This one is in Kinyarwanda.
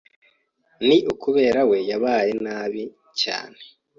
Ni ukubera we yabayeho nabi cyane.